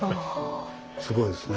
すごいですね。